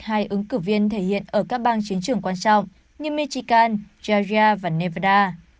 hai ứng cử viên thể hiện ở các bang chiến trường quan trọng như metchikan georgia và nevada